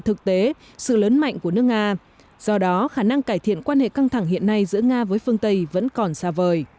thực tế sự lớn mạnh của nước nga do đó khả năng cải thiện quan hệ căng thẳng hiện nay giữa nga với phương tây vẫn còn xa vời